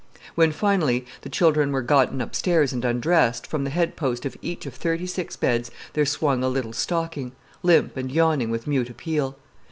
When, finally, the children were gotten upstairs and undressed, from the headpost of each of thirty six beds there swung a little stocking, limp and yawning with mute appeal.